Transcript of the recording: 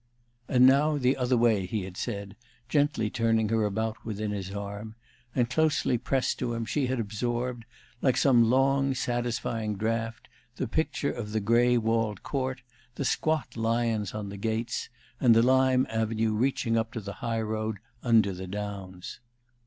"And now the other way," he had said, gently turning her about within his arm; and closely pressed to him, she had absorbed, like some long, satisfying draft, the picture of the gray walled court, the squat lions on the gates, and the lime avenue reaching up to the highroad under the downs.